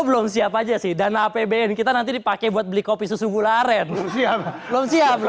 belum siap aja sih dana apbn kita nanti dipakai buat beli kopi susu gularen siapa belum siap